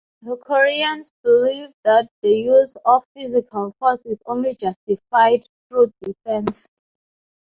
The Koreans believe that the use of physical force is only justified through defense.